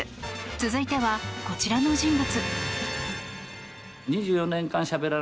続いては、こちらの人物。